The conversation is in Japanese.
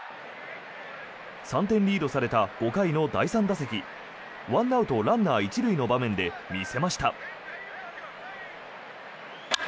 ３点リードされた５回の第３打席１アウト、ランナー１塁の場面で見せました。